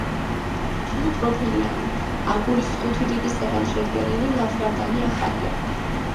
რთულპროფილიანი, აგურის ხუთი რიგისაგან შედგენილი ლავგარდანი ახალია.